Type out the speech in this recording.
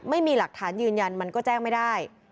ไม่มีหลักฐานยืนยันมันก็แจ้งไม่ได้